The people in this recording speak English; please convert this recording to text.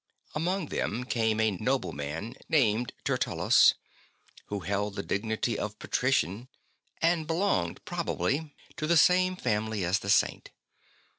Among them came a nobleman named Tertullus, who held the dignity of patrician, and belonged probably ST. BENEDICT 43 to the same family as the Saint.